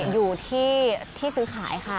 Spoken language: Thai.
อยู่ที่ซื้อขายค่ะ